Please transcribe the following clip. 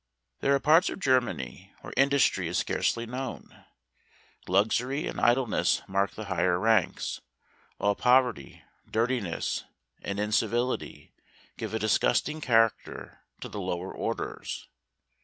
There are parts of Germany where industry is scarcely known. Luxury and idleness mark the higher ranks; while poverty, dirtiness, and in¬ civility give a disgusting character to the lower orders.